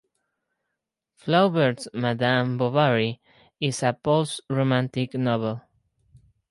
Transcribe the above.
Flaubert's "Madame Bovary" is a post-Romantic novel.